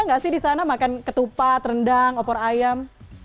nggak sih di sana makan ketupat rendang opor ayam